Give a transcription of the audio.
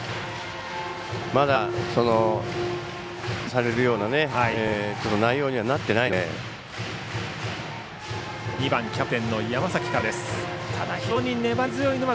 まだ、連打されるような内容にはなっていないので。